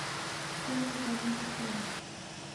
Кум ий годым почелак